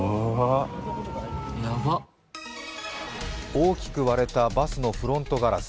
大きく割れたバスのフロントガラス。